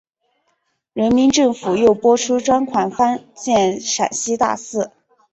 人民政府又拨出专款翻建陕西大寺。